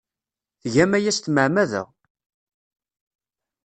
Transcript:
Tgam aya s tmeɛmada.